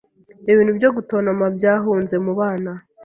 ibintu byo gutontoma byahunze mubana